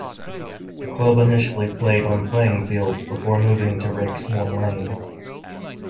The club initially played on playing fields before moving to Rakesmoor Lane.